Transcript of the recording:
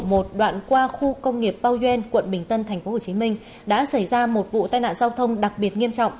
đoạn qua khu công nghiệp bao yen quận bình tân tp hcm đã xảy ra một vụ tai nạn giao thông đặc biệt nghiêm trọng